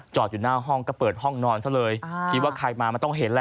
อยู่หน้าห้องก็เปิดห้องนอนซะเลยคิดว่าใครมามันต้องเห็นแหละ